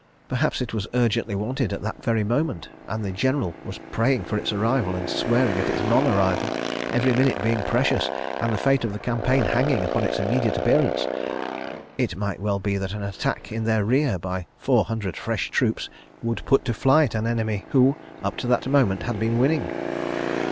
Perhaps it was urgently wanted at that very moment, and the General was praying for its arrival and swearing at its non arrival—every minute being precious, and the fate of the campaign hanging upon its immediate appearance. It might well be that an attack in their rear by four hundred fresh troops would put to flight an enemy who, up to that moment, had been winning.